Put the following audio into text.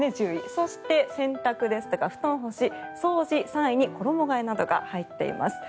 そして、洗濯ですとか布団干し、掃除３位に衣替えなどが入っています。